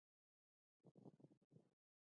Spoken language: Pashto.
د دې پوځ په راس کې یو ستر فیوډال و.